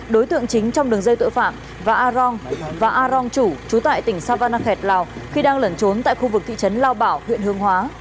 đối tượng chính trong đường dây tội phạm và a rong và a rong chủ trú tại tỉnh savanakhet lào khi đang lẩn trốn tại khu vực thị trấn lao bảo huyện hương hóa